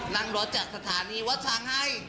นั่งรถจากสถานีวัดช้างให้